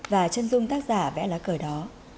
và trân dung tác giả vẽ lá cờ đó